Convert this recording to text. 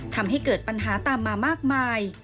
ทำให้เกิดปัญหาตามมามากมาย